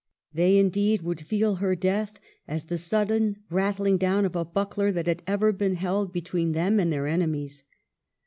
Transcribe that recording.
They, indeed, would feel her death as the sudden rattling down of a buckler that had ever been held between them and their enemies.